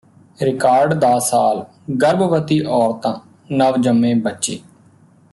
record ਦਾ ਸਾਲ ਗਰਭਵਤੀ ਔਰਤਾਂ ਨਵਜੰਮੇ ਬੱਚੇ